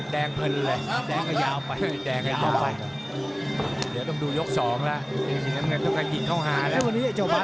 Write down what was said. แดงเพลินเลยแดงก็ยาวไป